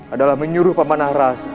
adalah menyuruh pamanah rasa